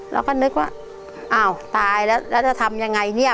เราก็นึกว่าอ้าวตายแล้วแล้วจะทำยังไงเนี่ย